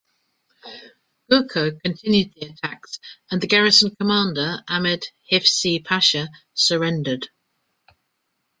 Gourko continued the attacks and the garrison commander Ahmed Hifzi Pasha surrendered.